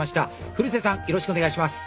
古瀬さんよろしくお願いします。